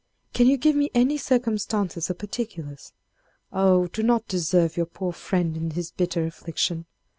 Can you give me any circumstances or particulars?... Oh! do not desert your poor friend in his bitter affliction!...